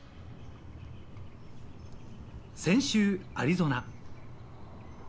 先週、アリゾナ。